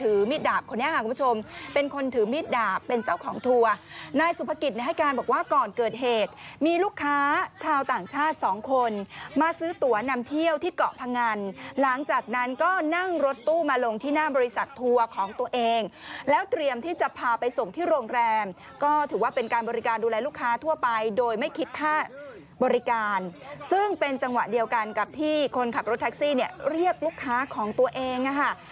ลูกค้าชาวต่างชาติสองคนมาซื้อตัวนำเที่ยวที่เกาะพงันหลังจากนั้นก็นั่งรถตู้มาลงที่หน้าบริษัททัวร์ของตัวเองแล้วเตรียมที่จะพาไปส่งที่โรงแรมก็ถือว่าเป็นการบริการดูแลลูกค้าทั่วไปโดยไม่คิดค่าบริการซึ่งเป็นจังหวะเดียวกันกับที่คนขับรถแท็กซี่เนี่ยเรียกลูกค้าของตัวเองอ่